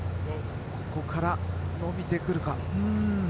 ここから伸びてくるか。